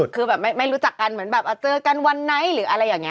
คือแบบไม่รู้จักกันเหมือนแบบเจอกันวันไหนหรืออะไรอย่างนี้